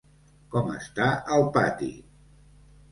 Com està el pati!